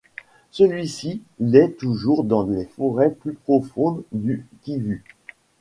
Celui-ci l'est toujours dans les forêts plus profondes du Kivu.